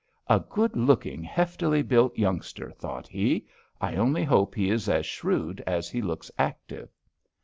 "A good looking, heftily built youngster," thought he. "I only hope he is as shrewd as he looks active."